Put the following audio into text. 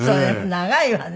長いわね。